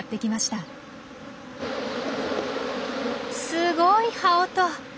すごい羽音！